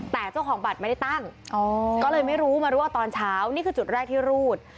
แต่เจ้าของบัตรไม่ได้ตั้งก็เลยไม่รู้มารู้ว่าตอนเช้านี่คือจุดแรกที่รูด